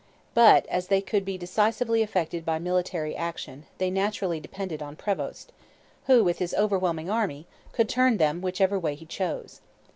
But, as they could be decisively affected by military action, they naturally depended on Prevost, who, with his overwhelming army, could turn them whichever way he chose.